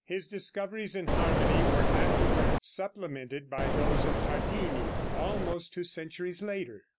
His discoveries in harmony were afterward supplemented by those of Tartini, almost two centuries later.